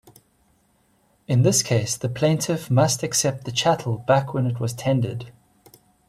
In this case, the plaintiff must accept the chattel back when it was tendered.